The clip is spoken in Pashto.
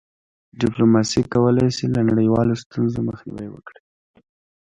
ډيپلوماسي کولی سي له نړیوالو ستونزو مخنیوی وکړي.